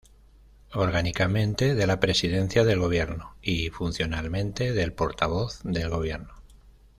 Orgánicamente de la Presidencia del Gobierno y funcionalmente del Portavoz del Gobierno.